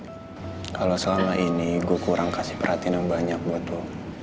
kalau selama ini gue kurang kasih perhatian yang banyak buat lo